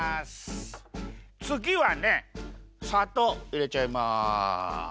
つぎはねさとういれちゃいます。